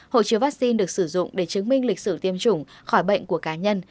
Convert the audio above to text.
hộ chiếu vaccine được sử dụng để chứng minh lịch sử tiêm chủng khỏi bệnh của cá nhân